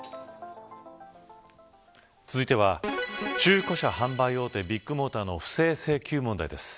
続いては、中古車販売大手ビッグモーターの不正請求問題です。